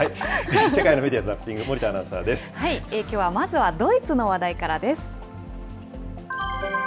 世界のメディア・ザッピング、森田きょうはまずはドイツの話題からです。